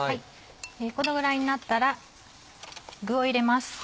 このぐらいになったら具を入れます。